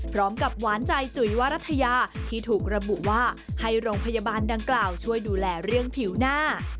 หวานใจจุ๋ยวรัฐยาที่ถูกระบุว่าให้โรงพยาบาลดังกล่าวช่วยดูแลเรื่องผิวหน้า